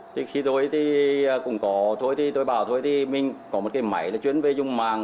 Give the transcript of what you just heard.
thì khi tôi thì cũng có thôi thì tôi bảo thôi thì mình có một cái máy là chuyên về dùng mạng